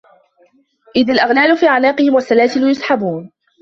إِذِ الأَغلالُ في أَعناقِهِم وَالسَّلاسِلُ يُسحَبونَ